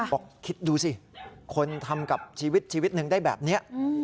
บอกคิดดูสิคนทำกับชีวิตชีวิตหนึ่งได้แบบนี้